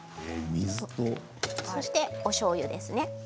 そして、おしょうゆですね。